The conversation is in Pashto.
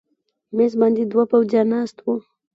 مېز باندې دوه پوځیان ناست و.